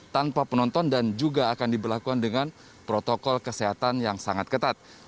tanpa penonton dan juga akan diberlakukan dengan protokol kesehatan yang sangat ketat